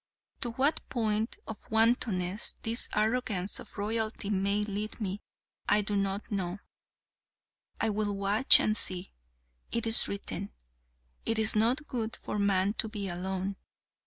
To what point of wantonness this arrogance of royalty may lead me, I do not know: I will watch, and see. It is written: 'It is not good for man to be alone!'